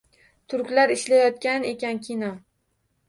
Turklar ishlayotgan ekan kino.